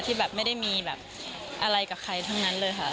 ที่แบบไม่ได้มีแบบอะไรกับใครทั้งนั้นเลยค่ะ